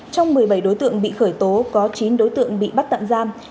trong một mươi bảy đối tượng bị khởi tố có chín đối tượng bị bắt tạm giam